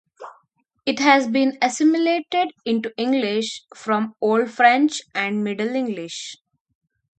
It has been assimilated into English from Old French and Middle English.